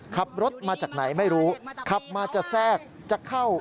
ขับรถมาจากไหนไม่รู้ขับมาจะแทรกจะเข้า